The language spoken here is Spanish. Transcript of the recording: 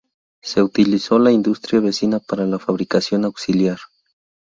Se utilizó la industria vecina para la fabricación auxiliar.